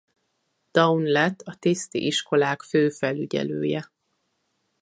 Daun lett a tiszti iskolák főfelügyelője.